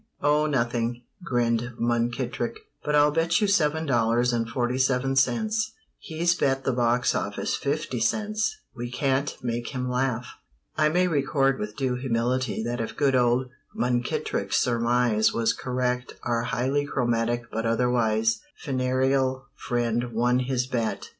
"Oh, nothing," grinned Munkittrick, "but I'll bet you seven dollars and forty seven cents he's bet the boxoffice fifty cents we can't make him laugh." I may record with due humility that if good old Munkittrick's surmise was correct our highly chromatic but otherwise funereal friend won his bet.